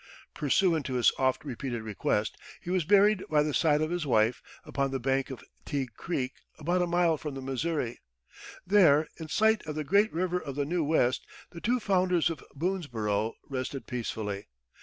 Pursuant to his oft repeated request, he was buried by the side of his wife, upon the bank of Teugue Creek, about a mile from the Missouri. There, in sight of the great river of the new West, the two founders of Boonesborough rested peacefully.